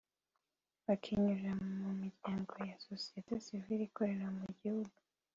bakinyurira mu miryango ya sosiyete sivile ikorera mu gihugu